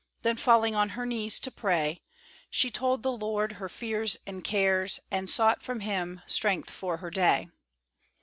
_" Then falling on her knees to pray, She told the Lord her fears and cares, And sought from Him strength for her day.